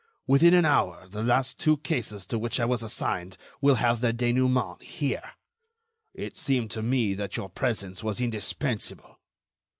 Within an hour, the last two cases to which I was assigned will have their dénouement here. It seemed to me that your presence was indispensable."